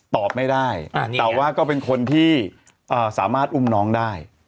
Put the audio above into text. ตอบไม่ได้แต่ว่าก็เป็นคนที่สามารถอุ้มน้องได้